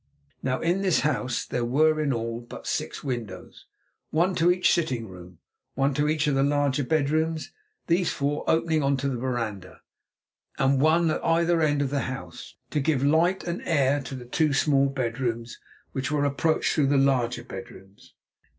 Now, in this house there were in all but six windows, one to each sitting room, one to each of the larger bedrooms, these four opening on to the veranda, and one at either end of the house, to give light and air to the two small bedrooms, which were approached through the larger bedrooms.